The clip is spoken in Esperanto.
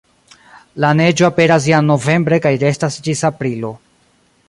La neĝo aperas jam novembre kaj restas ĝis aprilo.